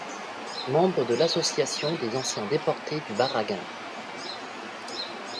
Membre de l’Association des Anciens Déportés du Bărăgan.